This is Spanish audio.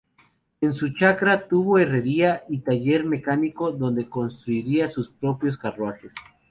En su chacra tuvo herrería y taller mecánico donde construía sus propios carruajes.